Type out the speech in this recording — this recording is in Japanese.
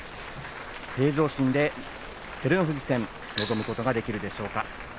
平常心で照ノ富士戦臨むことができるでしょうか。